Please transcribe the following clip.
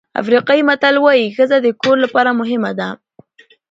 افریقایي متل وایي ښځه د کور لپاره مهمه ده.